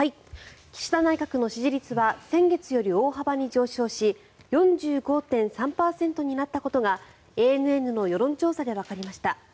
岸田内閣の支持率は先月より大幅に上昇し４５．３％になったことがＡＮＮの世論調査でわかりました。